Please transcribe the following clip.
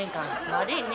悪いね。